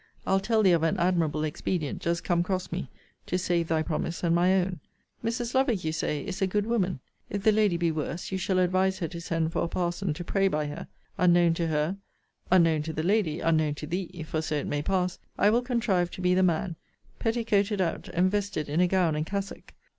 I'll tell thee of an admirable expedient, just come cross me, to save thy promise, and my own. Mrs. Lovick, you say, is a good woman: if the lady be worse, you shall advise her to send for a parson to pray by her: unknown to her, unknown to the lady, unknown to thee, (for so it may pass,) I will contrive to be the man, petticoated out, and vested in a gown and cassock.